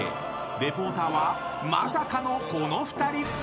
リポーターはまさかのこの２人。